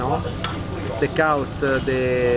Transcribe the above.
untuk saya mudah